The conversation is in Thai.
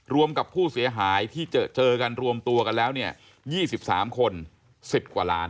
รวมกับผู้เสียหายที่เจอกันรวมตัวกันแล้วเนี่ย๒๓คน๑๐กว่าล้าน